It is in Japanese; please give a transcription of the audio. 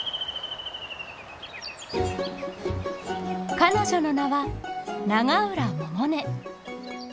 彼女の名は永浦百音。